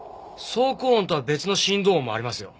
「」走行音とは別の振動音もありますよ。